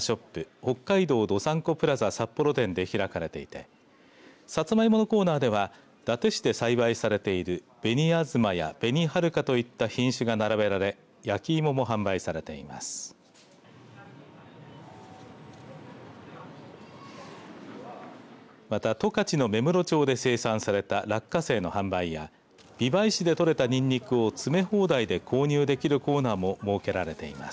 北海道どさんこプラザ札幌店で開かれていてさつまいものコーナーでは伊達市で栽培されている紅あずまや紅はるかといった品種が並べられ焼き芋も販売されています。